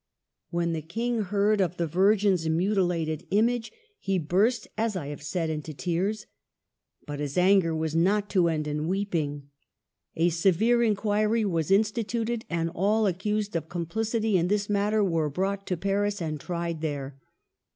When the King heard of the Virgin's mutilated image, he burst, as I have said, into tears. But his anger was not to end in weeping. A severe inquiry was instituted, and all accused of com plicity in this matter were brought to Paris and tried there.